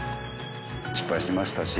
失敗しましたし。